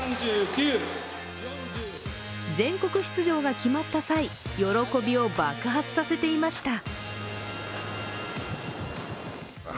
全国出場が決まった際、喜びを爆発させていました。